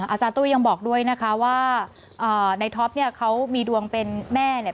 ตุ้ยยังบอกด้วยนะคะว่าในท็อปเนี่ยเขามีดวงเป็นแม่เนี่ย